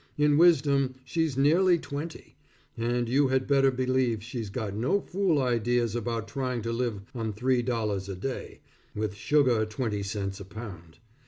In wisdom she's nearly twenty, and you had better believe she's got no fool ideas about trying to live on three dollars a day, with sugar twenty cents a pound.